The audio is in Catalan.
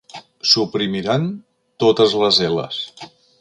Suprimiran totes les eles.